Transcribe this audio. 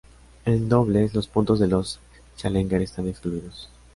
En dobles, los puntos de los Challenger están excluidos.